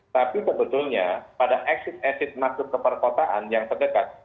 tapi sebetulnya pada exit exit masuk ke perkotaan yang terdekat